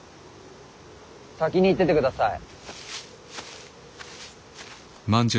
先に行っててください。